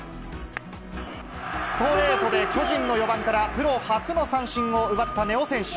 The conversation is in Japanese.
ストレートで、巨人の４番からプロ初の三振を奪った根尾選手。